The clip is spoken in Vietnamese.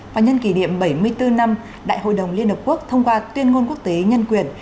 và nhân kỷ niệm bảy mươi bốn năm đại hội đồng liên hợp quốc thông qua tuyên ngôn quốc tế nhân quyền